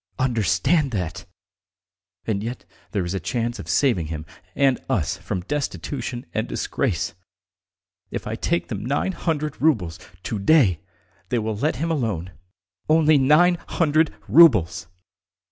. Understand that! And yet there is a chance of saving him and us from destitution and disgrace. If I take them nine hundred roubles to day they will let him alone. Only nine hundred roubles!"